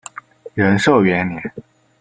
仁寿元年。